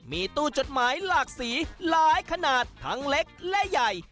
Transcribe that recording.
มีตู้จดหมายหลากสีหลายขนาดทั้งเล็กและใหญ่